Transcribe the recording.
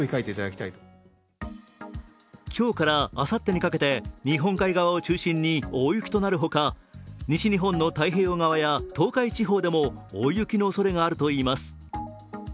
今日からあさってにかけて日本海側を中心に大雪となるほか、西日本の太平洋側や東海地方でも大雪のおそれがあるといいます。